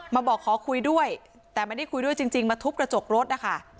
มาบอกขอคุยด้วยแต่ไม่ได้คุยด้วยจริงมาทุบกระจกรถนะคะ